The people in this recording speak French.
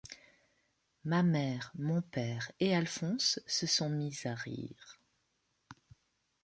Ma mère, mon père et Alphonse se sont mis à rire.